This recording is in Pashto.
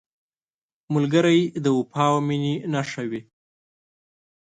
ملګری د وفا او مینې نښه وي